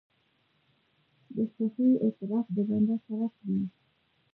د سهوې اعتراف د بنده شرف دی.